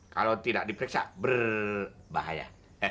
kalau tidak diperiksa berbahaya